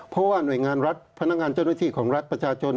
เพราะว่าหน่วยงานรัฐพนักงานเจ้าหน้าที่ของรัฐประชาชน